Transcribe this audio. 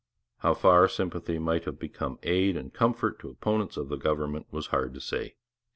How far sympathy might have become aid and comfort to opponents of the government was hard to say.